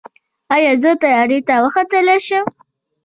ایا زه طیارې ته وختلی شم؟